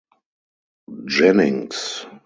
Jennings.